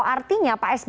artinya pak sby masih